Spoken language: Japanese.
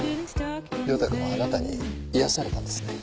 涼太君もあなたに癒やされたんですね。